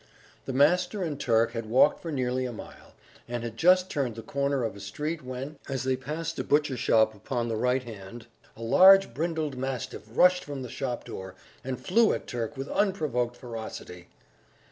The master and Turk had walked for nearly a mile, and had just turned the corner of a street when, as they passed a butcher's shop upon the right hand, a large brindled mastiff rushed from the shop door, and flew at Turk with unprovoked ferocity.